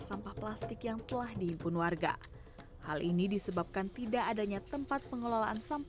sampah plastik seperti itu jadi apa court please